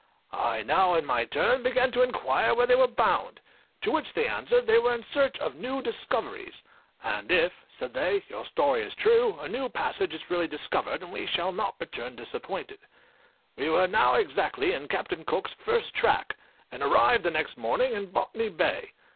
I now in my turn began to inquire where they were bound? To which they answered, they were in search of new discoveries; "and if," said they, "your story is true, a new passage is really discovered, and we shall not return disappointed." We were now exactly in Captain Cook's first track, and arrived the next morning in Botany Bay.